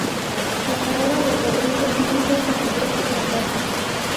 La carrera de Rodríguez no fue un completo fracaso.